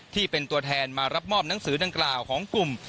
ที่เป็นตัวแทนมารับมอบหนังสือดังกล่าวของกลุ่ม